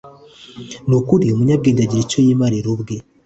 ni ukuri umunyabwenge agira icyo yimarira ubwe